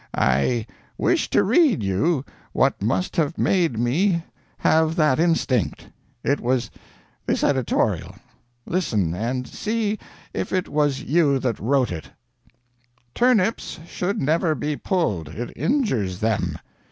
"I wish to read you what must have made me have that instinct. It was this editorial. Listen, and see if it was you that wrote it: "'Turnips should never be pulled, it injures them.